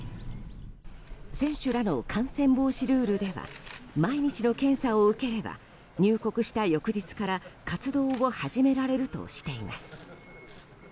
選手らの感染防止ルールでは毎日の検査を受ければ入国した翌日から活動を始められるとしています。